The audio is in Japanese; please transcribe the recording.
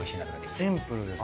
シンプルですね。